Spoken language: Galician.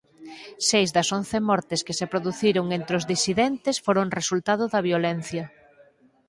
Seis das once mortes que se produciron entre os disidentes foron resultado da violencia.